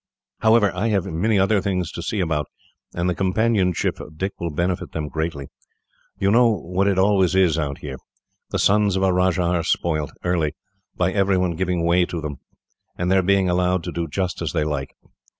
"However, I have many other things to see about, and the companionship of Dick will benefit them greatly. You know what it always is out here. The sons of a rajah are spoilt, early, by every one giving way to them, and their being allowed to do just as they like.